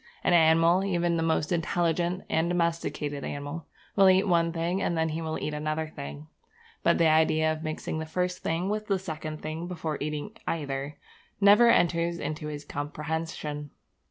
An animal, even the most intelligent and domesticated animal, will eat one thing and then he will eat another thing; but the idea of mixing the first thing with the second thing before eating either never enters into his comprehension.